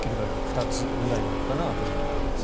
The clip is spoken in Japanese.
２つくらいなのかなというところです。